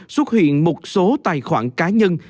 xuất hiện một số tài khoản cá nhân